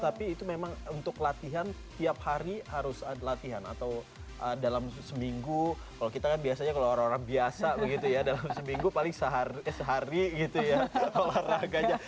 tapi itu memang untuk latihan tiap hari harus latihan atau dalam seminggu kalau kita kan biasanya kalau orang orang biasa begitu ya dalam seminggu paling sehari gitu ya olahraganya